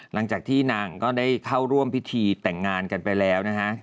หลังจากที่นางก็ได้เข้าร่วมพิธีแต่งงานกันไปแล้วนะฮะ